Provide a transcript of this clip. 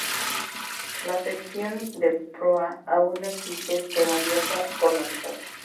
La sección de proa aún existe, pero abierta por la mitad.